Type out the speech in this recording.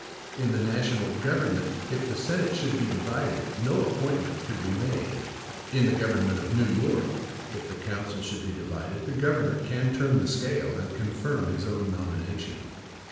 In the national government, if the Senate should be divided, no appointment could be made; in the government of New York, if the council should be divided, the governor can turn the scale, and confirm his own nomination.